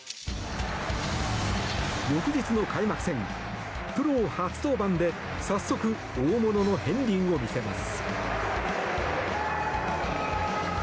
翌日の開幕戦、プロ初登板で早速、大物の片鱗を見せます。